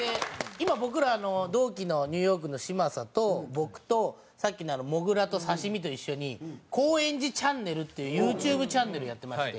今僕らあの同期のニューヨークの嶋佐と僕とさっきのもぐらと刺身と一緒に「高円寺チャンネル」っていうＹｏｕＴｕｂｅチャンネルやってまして。